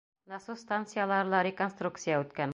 Насос станциялары ла реконструкция үткән.